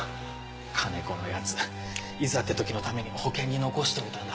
金子の奴いざって時のために保険に残しといたんだ。